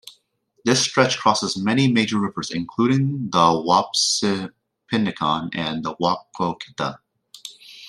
This stretch crosses many major rivers including both the Wapsipinicon and the Maquoketa.